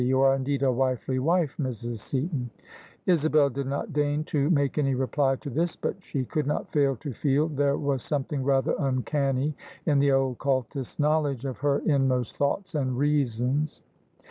You are indeed a wifely wife, Mrs. Seaton 1 " Isabel did not deign to make any reply to this: but she could not fail to feel there was something rather uncanny in the occultist's knowledge of her inmost thou^ts and reasons.